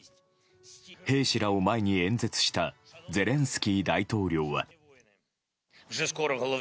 兵士らを前に演説したゼレンスキー大統領は。